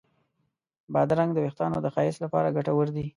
بادرنګ د وېښتانو د ښایست لپاره ګټور دی.